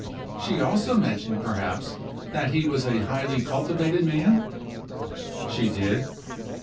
"She also mentioned, perhaps, that he was a highly cultivated man?" "She did."